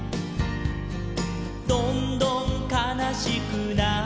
「どんどんかなしくなって」